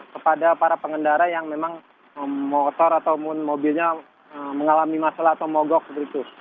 kepada para pengendara yang memang motor ataupun mobilnya mengalami masalah atau mogok seperti itu